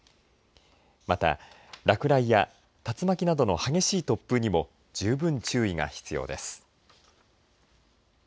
また落雷や竜巻などの激しい突風にも十分注意が必要です。